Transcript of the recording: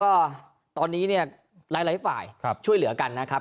ก็ตอนนี้เนี่ยหลายฝ่ายช่วยเหลือกันนะครับ